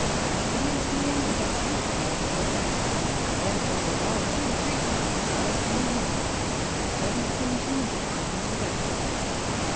" It is doing the best we can, Hilda. I went over it aU two or three times as I was coming home, and it doesn^t seem to me I can do bet* ter."